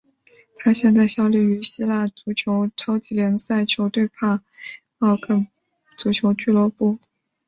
他现在效力于希腊足球超级联赛球队帕奥克足球俱乐部。